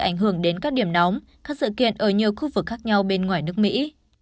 ảnh hưởng đến các điểm nóng các sự kiện ở nhiều khu vực khác nhau bên ngoài nước mỹ